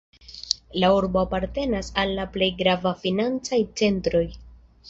La urbo apartenas al la plej gravaj financaj centroj.